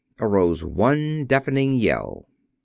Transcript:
arose one deafening yell.